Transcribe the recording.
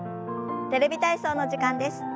「テレビ体操」の時間です。